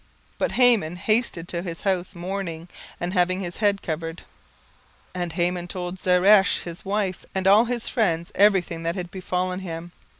But Haman hasted to his house mourning, and having his head covered. 17:006:013 And Haman told Zeresh his wife and all his friends every thing that had befallen him.